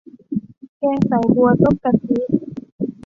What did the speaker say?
แกงสายบัวต้มกะทิ